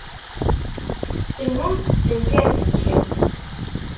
Tennum tettenkar zik.